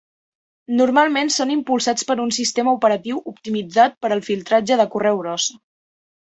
Normalment són impulsats per un sistema operatiu optimitzat per al filtratge de correu brossa.